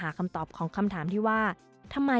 และการบริการผู้โดยสาร๑๒๗๕ราย